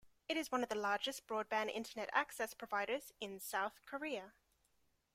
It is one of the largest broadband Internet access providers in South Korea.